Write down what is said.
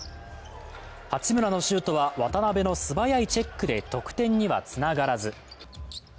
八村のシュートは渡邊の素早いチェックで得点にはつながらず。